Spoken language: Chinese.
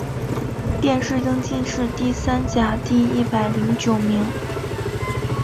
殿试登进士第三甲第一百零九名。